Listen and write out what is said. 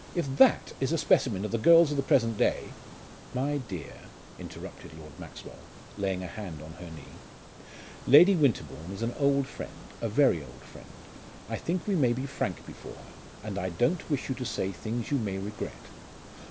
If that is a specimen of the girls of the present day " "My dear," interrupted Lord Maxwell, laying a hand on her knee, "Lady Winterbourne is an old friend, a very old friend. I think we may be frank before her, and I don't wish you to say things you may regret.